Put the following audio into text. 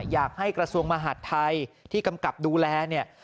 อยากให้กระทรวงมหัฒน์ไทยที่กำกับดูแลเนี่ย